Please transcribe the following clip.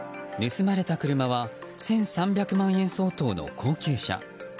盗まれた車は１３００万円相当の高級車。